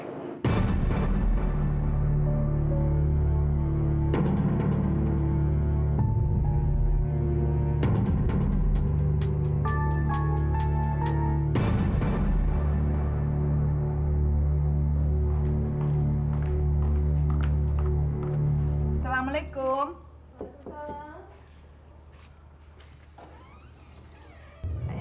aku tahu kalau dia penuh memperkuasa sekretarisnya sendiri